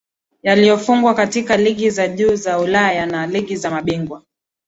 Yaliyofungwa katika ligi za juu za Ulaya na ligi za mabingwa